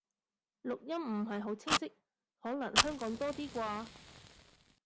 錄音唔係好清晰，可能香港多啲啩